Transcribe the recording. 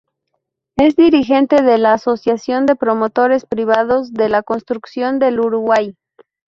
Es dirigente de la Asociación de Promotores Privados de la Construcción del Uruguay.